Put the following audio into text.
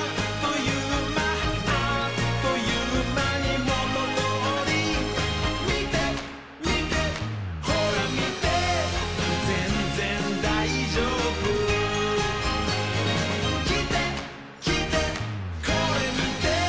「あっというまにもとどおり」「みてみてほらみて」「ぜんぜんだいじょうぶ」「きてきてこれみて」